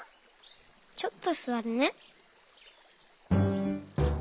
ちょっとすわるね。